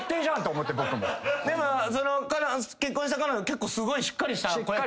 でも結婚した彼女結構すごいしっかりした子。